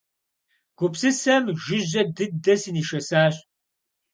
Гупсысэм жыжьэ дыдэ сынишэсащ.